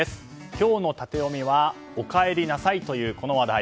今日のタテヨミはおかえりなさいというこの話題。